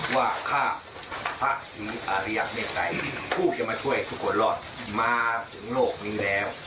ว่าข้าคภัคสีอาริยะแม่ไต่ผู้เข้ามาช่วยคุณคนรอดมาถึงโลกนี้แล้ว